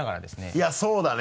いやそうだね。